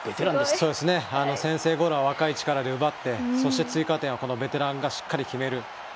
先制ゴールは若い力で奪ってそして追加点はこのベテランがしっかり決める。